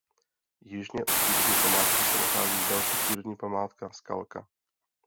Jižně od přírodní památky se nachází další přírodní památka Skalka.